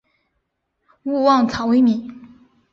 勿忘草微米。